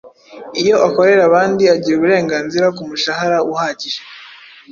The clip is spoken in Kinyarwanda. Iyo akorera abandi, agira uburenganzira ku mushahara uhagije